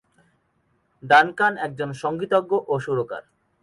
Duncan একজন সঙ্গীতজ্ঞ ও সুরকার।